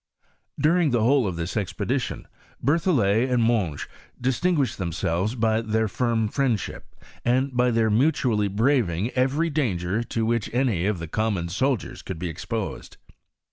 During the whole of this expedition, Berthollet and Monge distinguished themselves by their firm friendship, and by their mutually braving every dan ger to which any of the common soldiers could be exposed.